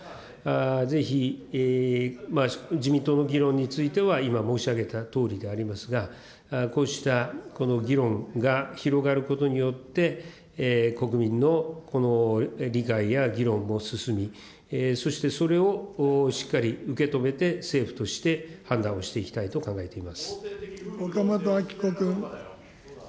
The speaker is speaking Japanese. ぜひ自民党の議論については、今申し上げたとおりでありますが、こうしたこの議論が広がることによって、国民の理解や議論も進み、そしてそれをしっかり受け止めて政府として判断をしていきたいと岡本あき子君。